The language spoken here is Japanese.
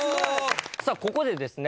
さあここでですね。